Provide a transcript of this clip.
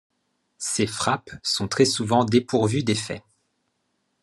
Ses frappes sont très souvent dépourvues d'effet.